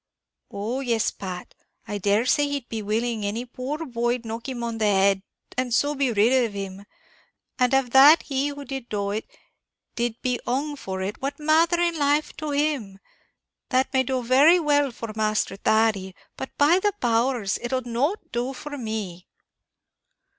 "Oh yes, Pat, I dare say he'd be willing any poor boy'd knock him on the head, and so be rid of him; and av that he who did do it, did be hung for it, what matther in life to him? That may do very well for Masther Thady, but by the powers, it'll not do for me!"